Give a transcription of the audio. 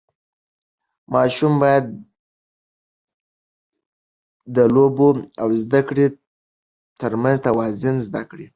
ماشوم باید د لوبو او زده کړې ترمنځ توازن زده کړي.